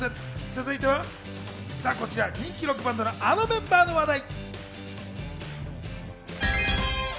続いては人気ロックバンドの、あのメンバーの話題。